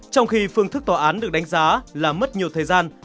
trong khi phương thức tòa án được đánh giá là mất nhiều thời gian